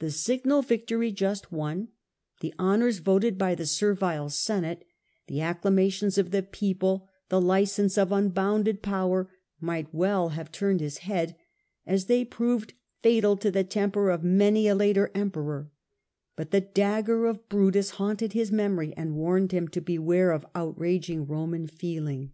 The signal victory just won, the honours voted by the servile Senate, the acclamations of the people, the license of unbounded power, might well have turned his head, as they proved fatal to the temper of many a later emperor ; but the dagger of Brutus haunted his memory and warned him to beware of outraging Roman feeling.